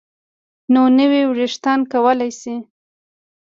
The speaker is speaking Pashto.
نو نوي ویښتان کولی شي